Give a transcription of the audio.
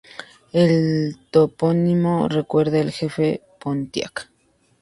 El topónimo recuerda el Jefe Pontiac.